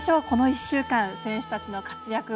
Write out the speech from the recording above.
この１週間、選手たちの活躍